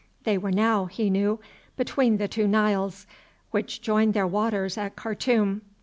They were now, he knew, between the two Niles, which joined their waters at Khartoum.